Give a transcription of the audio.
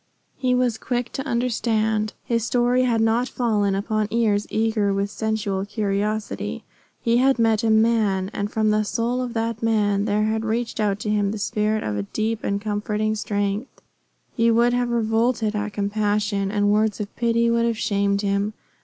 He was quick to understand. His story had not fallen upon ears eager with sensual curiosity. He had met a man, and from the soul of that man there had reached out to him the spirit of a deep and comforting strength. He would have revolted at compassion, and words of pity would have shamed him.